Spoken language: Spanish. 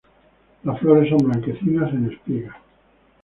Las flores son blanquecinas, en espiga.